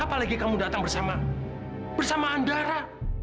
apalagi kamu datang bersama bersama andara